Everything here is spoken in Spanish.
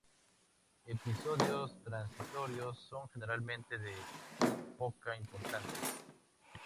Episodios transitorios son generalmente de poca importancia.